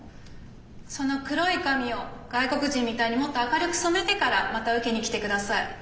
その黒い髪を外国人みたいにもっと明るく染めてからまた受けに来てください。